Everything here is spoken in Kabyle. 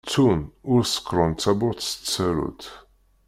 Ttun ur sekkṛen tawwurt s tsarut.